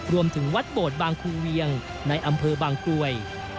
รวมถึงวัดโบดบางคูเวียงในอำเภอบางกรวย